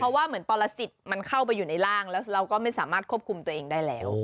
เพราะว่าเหมือนปรสิทธิ์มันเข้าไปอยู่ในร่างแล้วเราก็ไม่สามารถควบคุมตัวเองได้แล้ว